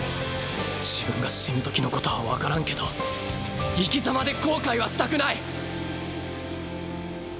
自分が死ぬときのことは分からんけど生き様で後悔はしたくない。